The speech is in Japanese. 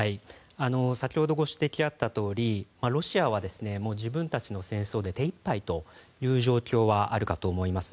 先ほどご指摘あったとおりロシアは、自分たちの戦争で手いっぱいという状況はあるかと思います。